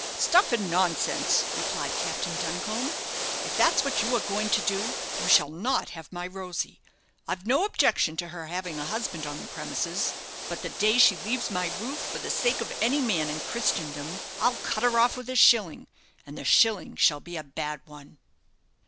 "Stuff and nonsense!" replied Captain Duncombe. "If that's what you are going to do, you shall not have my Rosy. I've no objection to her having a husband on the premises; but the day she leaves my roof for the sake of any man in Christendom, I'll cut her off with a shilling and the shilling shall be a bad one."